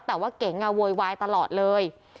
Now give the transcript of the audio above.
แต่ว่าเก๋งโวยวายตลอดเลย